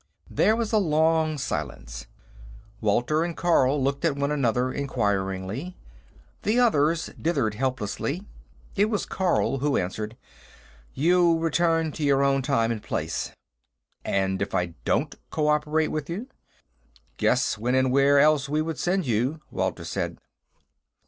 There was a long silence. Walter and Carl looked at one another inquiringly; the others dithered helplessly. It was Carl who answered. "Your return to your own time and place." "And if I don't cooperate with you?" "Guess when and where else we could send you," Walter said.